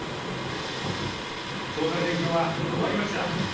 総裁選挙は終わりました。